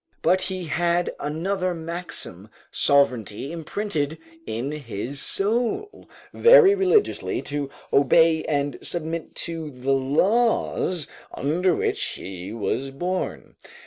But he had another maxim sovereignty imprinted in his soul, very religiously to obey and submit to the laws under which he was born.